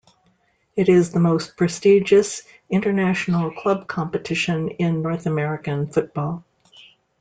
It is the most prestigious international club competition in North American football.